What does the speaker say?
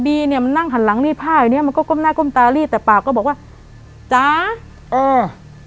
เนี้ยมันนั่งหันหลังรีดผ้าอย่างเงี้มันก็ก้มหน้าก้มตารีดแต่ปากก็บอกว่าจ๋าเออ